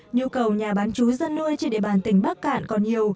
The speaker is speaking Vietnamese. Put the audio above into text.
nhu cầu nhà bán chú dân nuôi trên địa bàn tỉnh bắc cạn còn nhiều